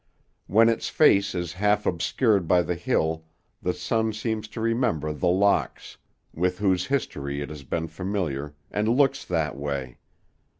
When its face is half obscured by the hill, the sun seems to remember The Locks, with whose history it has been familiar, and looks that way.